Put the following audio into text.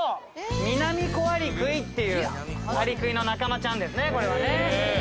ミナミコアリクイっていうアリクイの仲間ちゃんですね、これはね。